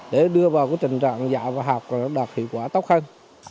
để đưa vào trình trạng dạ và học đạt hiệu quả tốt hơn